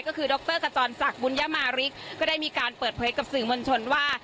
ก็คือดรขจรศักดิบุญยมาริกก็ได้มีการเปิดเผยกับสื่อมวลชนว่า